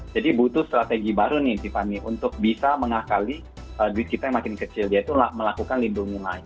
jadi butuh strategi baru nih tifa nih untuk bisa mengakali duit kita yang makin kecil yaitu melakukan lindung nilai